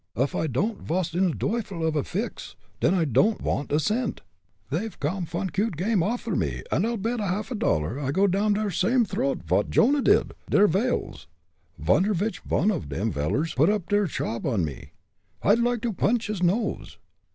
"Off I don'd vas in a duyfel off a fix, den I don'd vant a cent. They've come von cute game ofer me, und I'll bet a half dollar I go down der same throat vot Jonah did der w'ale's. Vonder vich von off dem vellers put up der shob on me? I'd like to punch his nose.